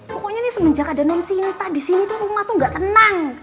pokoknya nih semenjak ada non sinta disini tuh rumah tuh gak tenang